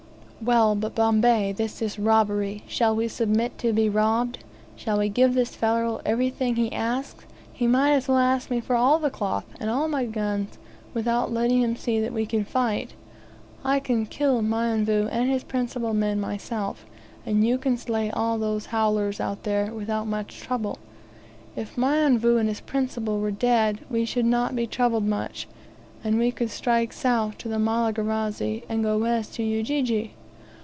"Well, but, Bombay, this is robbery. Shall we submit to be robbed? Shall we give this fellow everything he asks? He might as well ask me for all the cloth, and all my guns, without letting him see that we can fight. I can kill Mionvu and his principal men myself, and you can slay all those howlers out there without much trouble. If Mionvu and his principal were dead we should not be troubled much, and we could strike south to the Mala garazi, and go west to Ujiji."